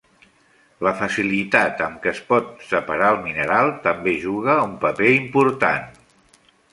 La facilitat amb què es pot separar el mineral també juga un paper important.